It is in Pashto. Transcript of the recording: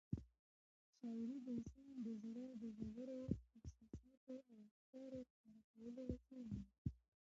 شاعري د انسان د زړه د ژورو احساساتو او افکارو ښکاره کولو وسیله ده.